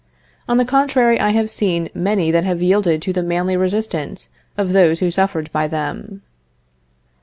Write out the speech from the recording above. On the contrary, I have seen many that have yielded to the manly resistance of those who suffered by them.